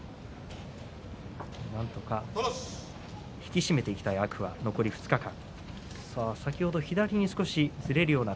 なんとか引き締めていきたい天空海、残り２日間。